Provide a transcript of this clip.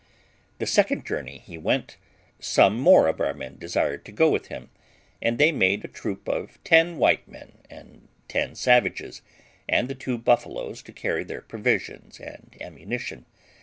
The second journey he went, some more of our men desired to go with him, and they made a troop of ten white men and ten savages, and the two buffaloes to carry their provisions and ammunition.